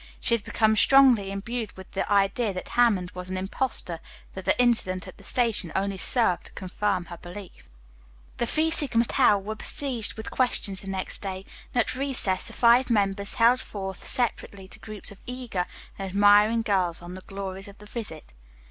She had become so strongly imbued with the idea that Hammond was an impostor that the incident at the station only served to confirm her belief. The Phi Sigma Tau were besieged with questions the next day, and at recess the five members held forth separately to groups of eager and admiring girls on the glories of the visit.